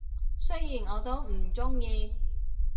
雖然我都唔鍾意